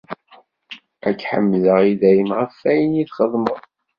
Ad k-ḥemdeɣ i dayem ɣef wayen i txeddmeḍ.